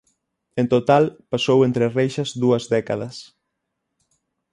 En total, pasou entre reixas dúas décadas.